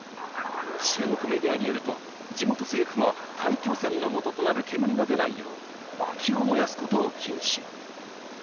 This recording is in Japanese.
中国メディアによると、地元政府は、大気汚染のもととなる煙が出ないよう、まきを燃やすことを禁止。